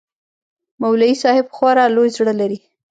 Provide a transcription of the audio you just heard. مولوى صاحب خورا لوى زړه لري.